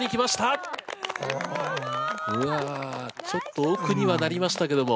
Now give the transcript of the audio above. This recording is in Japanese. うわちょっと奥にはなりましたけども。